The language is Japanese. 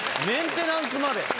メンテナンスまで！